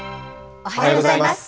おはようございます。